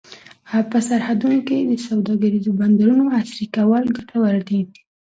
په سرحدونو کې د سوداګریزو بندرونو عصري کول ګټور دي.